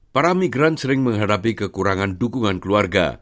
para migran sering menghadapi kekurangan dukungan keluarga